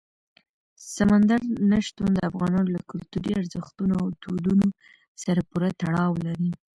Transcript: سمندر نه شتون د افغانانو له کلتوري ارزښتونو او دودونو سره پوره تړاو لري.